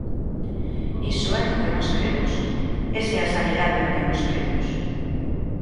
¡Iso é no que nós cremos!, ¡esa é a sanidade na que nós cremos!